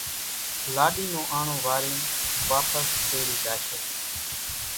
لاڏي نون آڻو وارين واپس تيڙي زاشي۔